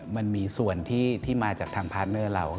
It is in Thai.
มันมีส่วนที่มาจากทางพาร์ทเนอร์เรา